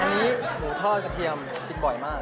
อันนี้หมูทอดกระเทียมกินบ่อยมาก